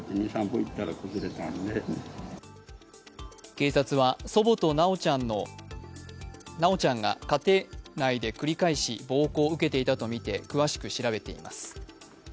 警察は祖母と修ちゃんが家庭内で繰り返し暴行を受けていたとみて詳しく調べています。